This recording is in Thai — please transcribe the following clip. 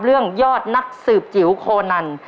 เรื่องยอดนักสืบจิ๋วโคนัล